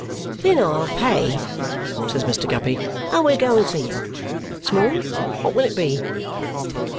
"Then I'll pay," says Mr. Guppy, "and we'll go and see him. Small, what will it be?"